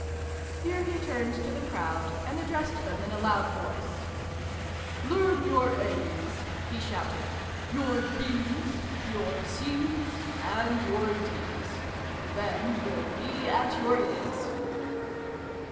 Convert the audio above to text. Here he turned to the crowd and addressed them in a loud voice. "Learn your A's!" he shouted. "Your B's! Your C's ! And your D's ! Then you'll be at your ease